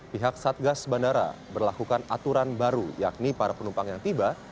pihak satgas bandara berlakukan aturan baru yakni para penumpang yang tiba